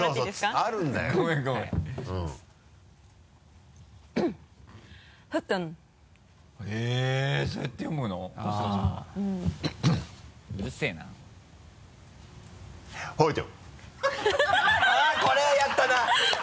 あぁこれはやったな。